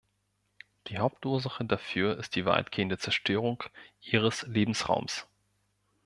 Die Hauptursache dafür ist die weitgehende Zerstörung ihres Lebensraums.